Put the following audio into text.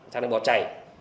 xe này bỏ chạy